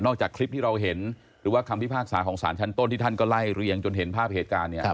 จากคลิปที่เราเห็นหรือว่าคำพิพากษาของสารชั้นต้นที่ท่านก็ไล่เรียงจนเห็นภาพเหตุการณ์เนี่ย